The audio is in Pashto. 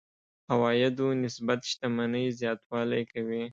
عوایدو نسبت شتمنۍ زياتوالی کوي.